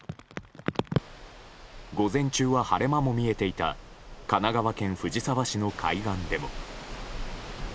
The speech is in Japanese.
午前中は晴れ間も見えていた神奈川県藤沢市の海岸でも。